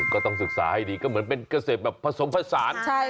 ก็ต้องศึกษาให้ดีก็เหมือนเป็นเกษตรแบบผสมผสาน